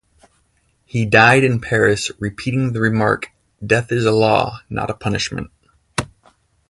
He died in Paris, repeating the remark, Death is a law, not a punishment.